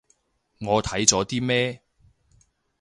我睇咗啲咩